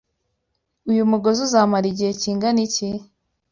Uyu mugozi uzamara igihe kingana iki?